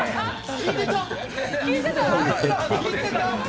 聞いてた？